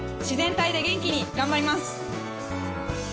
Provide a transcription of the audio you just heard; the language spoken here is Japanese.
自然体で元気に頑張ります。